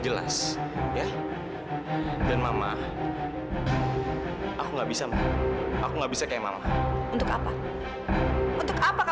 jangan bawa orang itu ketemu amira